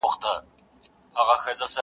د رقیب زړه به کباب سي له حسده لمبه کیږي!!